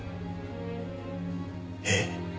えっ？